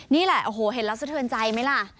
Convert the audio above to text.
นี่แหละโอ้โหเห็นแล้วสะเทือนใจไหมล่ะ